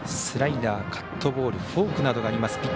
スライダー、カットボールフォークなどがあります